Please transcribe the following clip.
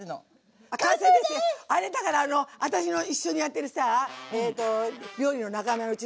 あれだからあの私の一緒にやってるさ料理の仲間うちの坊やがね